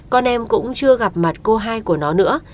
con em cũng chưa gặp mặt cô hai của nó nữa